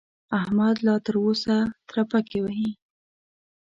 احمد لا تر اوسه ترپکې وهي.